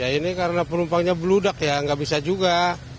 ya ini karena penumpangnya beludak ya nggak bisa juga